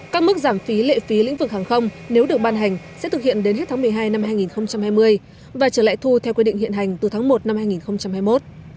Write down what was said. các mức giảm phí lệ phí lĩnh vực hàng không nếu được ban hành sẽ thực hiện đến hết tháng một mươi hai năm hai nghìn hai mươi và trở lại thu theo quy định hiện hành từ tháng một năm hai nghìn hai mươi một